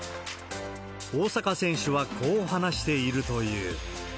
大坂選手はこう話しているという。